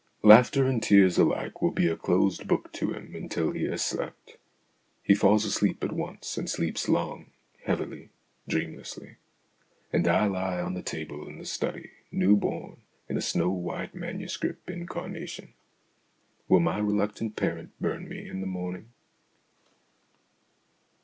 Laughter and tears alike will be a closed book to him until he has slept. He falls to sleep at once, and sleeps long heavily, dreamlessly. And I lie on the table in the study, new born, in a snow white manuscript incarnation. Will my reluctant parent burn me in the morning